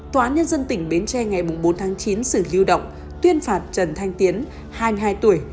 tòa án nhân dân tỉnh bến tre ngày bốn tháng chín xử lưu động tuyên phạt trần thanh tiến hai mươi hai tuổi